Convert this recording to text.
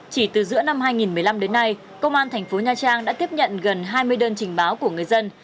chỉ từ giữa năm hai nghìn một mươi năm đến nay công an thành phố nha trang đã tiếp nhận gần hai mươi đơn trình báo của người dân